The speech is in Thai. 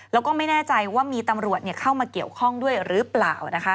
แล้วก็ไม่แน่ใจว่ามีตำรวจเข้ามาเกี่ยวข้องด้วยหรือเปล่านะคะ